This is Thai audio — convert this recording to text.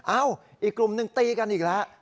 อีกกลุ่มหนึ่งตีกันอีกแล้ว